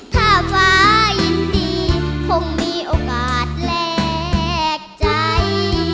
ถ้าฟ้ายินดีคงมีโอกาสแลกใจ